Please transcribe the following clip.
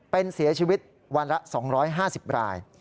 เป็นเสียชีวิตวันละ๒๕๐ราย